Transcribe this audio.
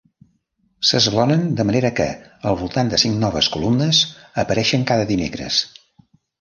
S'esglaonen de manera que al voltant de cinc noves columnes apareixen cada dimecres.